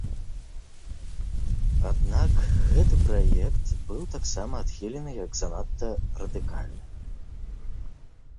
Аднак, гэты праект быў таксама адхілены як занадта радыкальны.